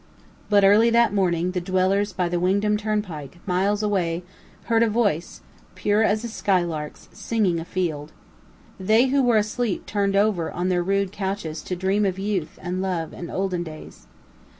But early that morning the dwellers by the Wingdam turnpike, miles away, heard a voice, pure as a skylark's, singing afield. They who were asleep turned over on their rude couches to dream of youth and love and olden days.